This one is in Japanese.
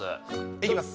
いきます。